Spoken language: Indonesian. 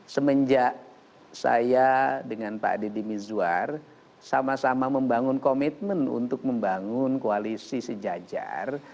semenjak saya dengan pak deddy mizwar sama sama membangun komitmen untuk membangun koalisi sejajar